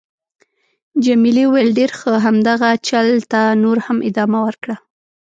جميلې وويل:: ډېر ښه. همدغه چل ته نور هم ادامه ورکړه.